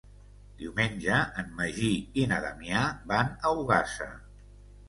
Diumenge en Magí i na Damià van a Ogassa.